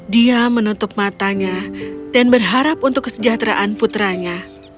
dia menutup matanya dan berharap untuk kesejahteraan putranya